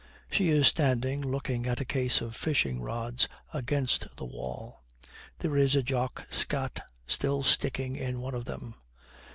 She is standing looking at a case of fishing rods against the wall. There is a Jock Scott still sticking in one of them.